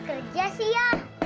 kok masih kerja sih ya